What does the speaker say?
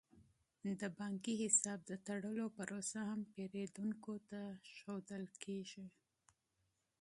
د بانکي حساب د تړلو پروسه هم پیرودونکو ته ښودل کیږي.